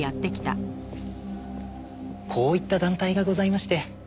こういった団体がございまして。